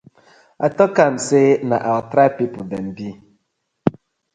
I tok am say na our tribe people dem bi.